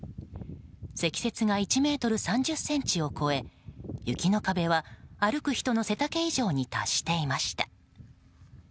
積雪が１ｍ３０ｃｍを超え雪の壁は、歩く人の背丈以上に達していました。